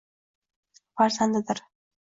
Farzandidir!